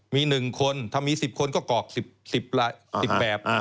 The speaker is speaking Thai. มี๑คนถ้ามี๑๐คนก็กรอก๑๐แบบ